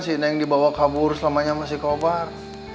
si neng dibawa kabur selamanya sama si kobar